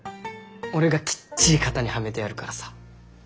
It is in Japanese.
俺がきっちり型にはめてやるからさ。